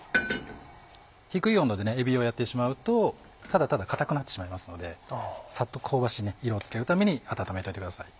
低い温度でえびを焼いてしまうとただただ硬くなってしまいますのでさっと香ばしい色をつけるために温めといてください。